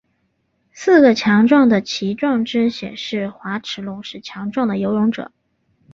四个强壮的鳍状肢显示滑齿龙是强壮的游泳者。